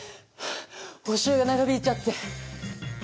補習が長引いちゃって。